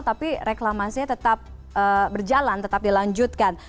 tapi reklamasinya tetap berjalan tetap dilanjutkan